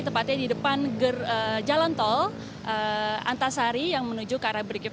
tepatnya di depan jalan tol antasari yang menuju ke arah brigip